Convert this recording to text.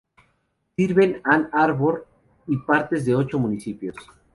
Sirve Ann Arbor y partes de ocho municipios.